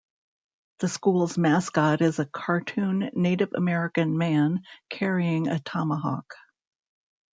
The school's mascot is a cartoon Native American man carrying a tomahawk.